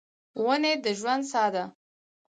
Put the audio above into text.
ونې د ژوند ساه ده.